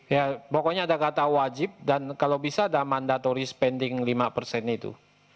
ya pokoknya ada kata wajib dan kalau bisa ada mandatory spending lima persen itu